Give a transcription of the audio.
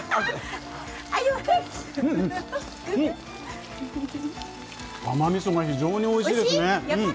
うん、甘みそが非常においしいですね。